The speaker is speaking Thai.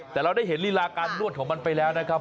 แต่เราได้เห็นลีลาการนวดของมันไปแล้วนะครับ